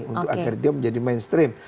untuk agar dia menjadi mainstream